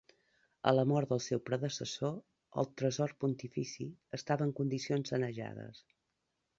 A la mort del seu predecessor el tresor pontifici estava en condicions sanejades.